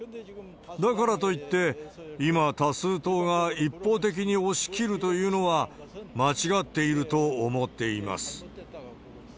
だからといって、今、多数党が一方的に押し切るというのは、間違っていると思っています。